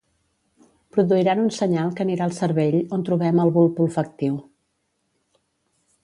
Produiran un senyal que anirà al cervell on trobem el bulb olfactiu